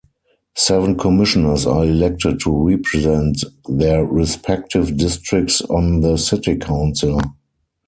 Seven commissioners are elected to represent their respective districts on the city council.